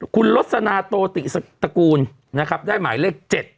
คุณลสนาโตติตระกูลนะครับได้หมายเลข๗